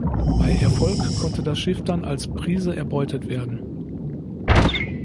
Bei Erfolg konnte das Schiff dann als Prise erbeutet werden.